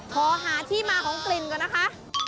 ขอหาที่มาของกลิ่นก่อนนะคะ